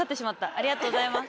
ありがとうございます。